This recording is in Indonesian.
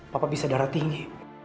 papa bisa darah tinggi